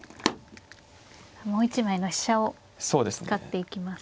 もう一枚の飛車を使っていきます。